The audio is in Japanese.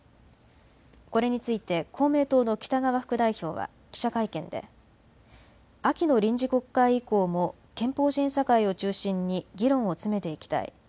これについて公明党の北側副代表は記者会見で秋の臨時国会以降も憲法審査会を中心に議論を詰めていきたい。